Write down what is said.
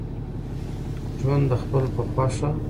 ژوند دخپل په خوښه وکړئ